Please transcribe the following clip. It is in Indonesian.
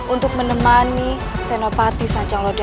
untuk menemani senopati sanjang lodaya